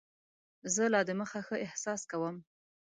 زه لا دمخه ښه احساس کوم.